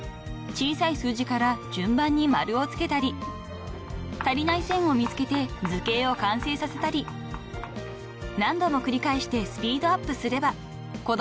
［小さい数字から順番に丸を付けたり足りない線を見つけて図形を完成させたり何度も繰り返してスピードアップすれば子供たちの自信につながります］